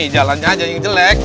jalannya aja yang jelek